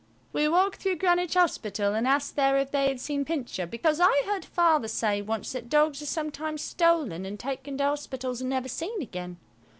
We walked through Greenwich Hospital and asked there if they have seen Pincher, because I heard Father say once that dogs are sometimes stolen and taken to hospitals and never seen again.